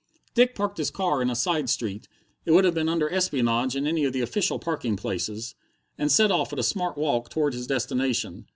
Dick parked his car in a side street it would have been under espionage in any of the official parking places and set off at a smart walk toward his destination.